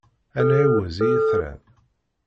Ad nεiwez i yitran.